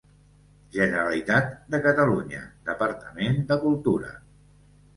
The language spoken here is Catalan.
Generalitat de Catalunya, Departament de Cultura.